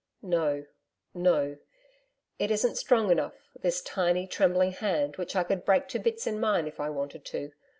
'No, no. It isn't strong enough this tiny, trembling hand, which I could break to bits in mine if I wanted to.